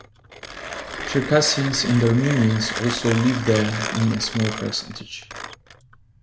Circassians and Armenians also live there in a small percentage.